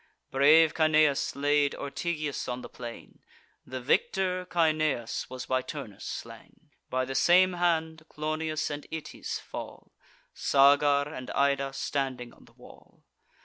Brave Caeneus laid Ortygius on the plain; The victor Caeneus was by Turnus slain. By the same hand, Clonius and Itys fall, Sagar, and Ida, standing on the wall.